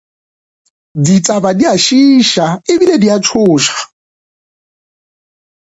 Ditaba di a šiiša ebile di a tšhoša.